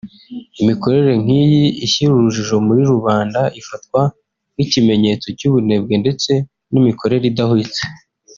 Imikorere nk’iyi ishyira urujijo muri rubanda ifatwa nk’ikimenyetso cy’ubunebwe ndetse n’imikorere idahwitse